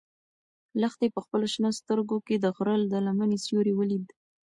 لښتې په خپلو شنه سترګو کې د غره د لمنې سیوری ولید.